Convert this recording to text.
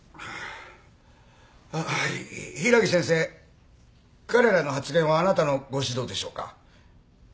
あぁ柊木先生彼らの発言はあなたのご指導でしょうか？